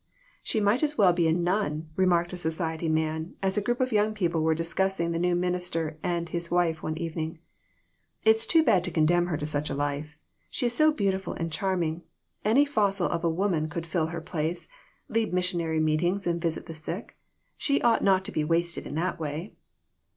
" She might as well be a nun," remarked a soci ety man, as a group of young people were discus sing the new minister and his wife one evening ; "it is too bad to condemn her to such a life. She is so beautiful and charming. Any fossil of a woman could fill her place lead missionary meetings and visit the sick. She ought not to be wasted in that way."